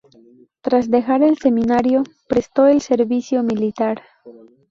Tras dejar el seminario, prestó el servicio militar.